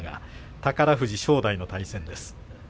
宝富士、正代と対戦です。